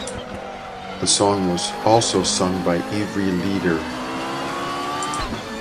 The song was also sung by Ivri Lider.